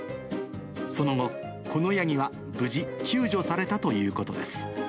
その後、このヤギは無事、救助されたということです。